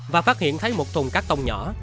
và phát hiện thấy một thùng cát tông nhỏ